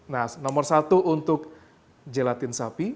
nah nomor satu untuk gelatin sapi